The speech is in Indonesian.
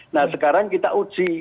nah sekarang kita uji